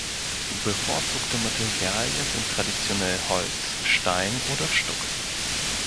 Bevorzugte Materialien sind traditionell Holz, Stein oder Stuck.